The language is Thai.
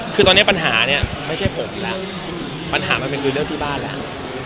คือตอนนี้ปัญหาเนี่ยไม่ใช่ผมอีกแล้วปัญหามันเป็นคือเรื่องที่บ้านแล้ว